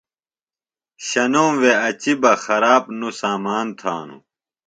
شنوم وے اچیۡ بہ ، خراب نوۡ سامان تھانوۡ